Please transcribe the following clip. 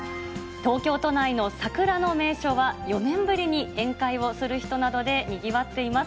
東京都内の桜の名所は４年ぶりに宴会をする人などでにぎわっています。